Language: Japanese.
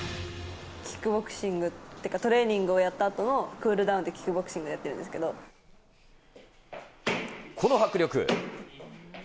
キックボクシングっていうか、トレーニングやったあとのクールダウンで、キックボクシングをやこの迫力。